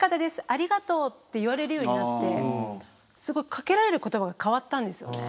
ありがとう」って言われるようになってすごい掛けられる言葉が変わったんですよね。